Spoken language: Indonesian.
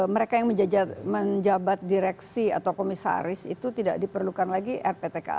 mereka yang menjabat direksi atau komisaris itu tidak diperlukan lagi rptka